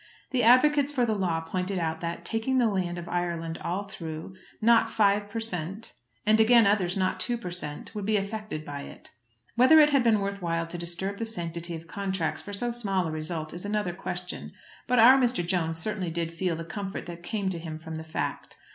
The advocates for the law pointed out that, taking the land of Ireland all through, not five per cent., and again others not two per cent., would be affected by it. Whether it had been worth while to disturb the sanctity of contracts for so small a result is another question; but our Mr. Jones certainly did feel the comfort that came to him from the fact.